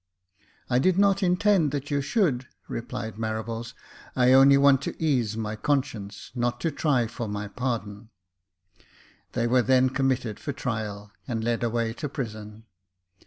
" I did not intend that you should," replied Marables. " I only want to ease my conscience, not to try for my pardon." They were then committed for trial, and led away to prison.